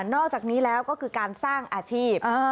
นอกจากนี้แล้วก็คือการสร้างอาชีพ